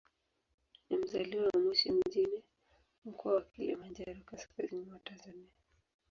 Ni mzaliwa wa Moshi mjini, Mkoa wa Kilimanjaro, kaskazini mwa Tanzania.